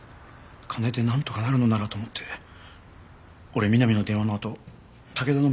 金でなんとかなるものならと思って俺美波の電話のあと武田の店に向かったんです。